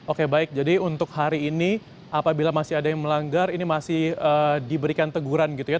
oke baik jadi untuk hari ini apabila masih ada yang melanggar ini masih diberikan teguran gitu ya